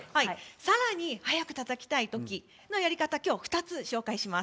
さらに速くたたきたい時のやり方を２つ、ご紹介します。